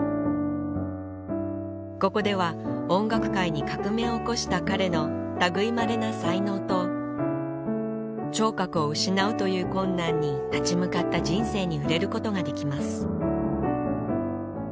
ここでは音楽界に革命を起こした彼の類いまれな才能と聴覚を失うという困難に立ち向かった人生に触れることができます